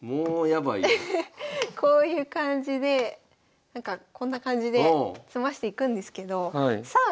アハッこういう感じでこんな感じで詰ましていくんですけどさあ